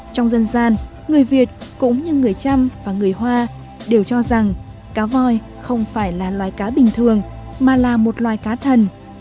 trong dân gian người việt cũng như người trăm và người hoa đều cho rằng cá voi không phải là loài cá bình thường mà là một loài cá thần